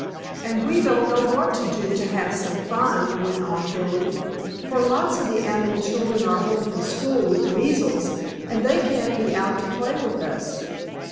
"And we don't know what to do to have some fun," went on Billie, "for lots of the animal children are home from school with the measles, and they can't be out to play with us.